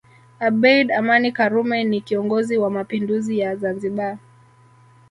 Abeid Amani Karume ni kiongozi wa Mapinduzi ya Zanzibar